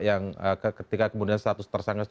yang ketika kemudian status tersangka